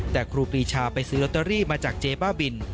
แต่ครูปรีชาไปซื้อลอตเตอรี่มาจากเจ๊บ้าบิน